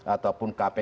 ataupun kpk secara berat